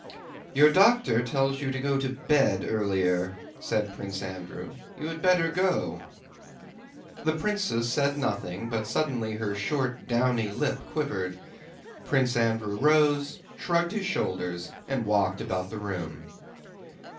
"Your doctor tells you to go to bed earlier," said Prince Andrew. "You had better go." The princess said nothing, but suddenly her short downy lip quivered. Prince Andrew rose, shrugged his shoulders, and walked about the room.